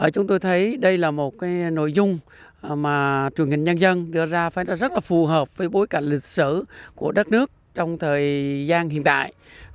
chúng tôi thấy đây là một nội dung mà truyền hình nhân dân đưa ra phải rất là phù hợp với bối cảnh lịch sử của đất nước trong thời gian hiện tại